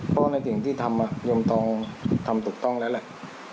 ปกป้องในสิ่งที่ทำโยมทองทำถูกต้องแล้วแหละ